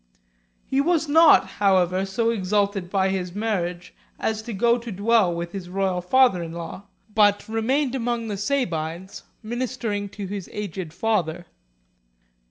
He was not, however, so exalted by his marriage as to go to dwell with his royal father in law, but remained among the Sabines min istering to his aged father.